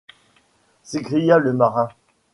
s’écria le marin.